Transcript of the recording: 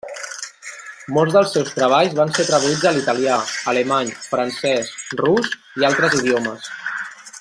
Molts dels seus treballs van ser traduïts a l'italià, alemany, francès, rus i altres idiomes.